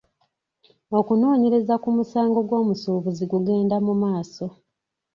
Okunoonyereza ku musango gw’omusuubuzi kugenda mu maaso.